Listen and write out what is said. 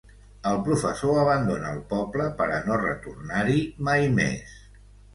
El professor abandona el poble per a no retornar-hi mai més.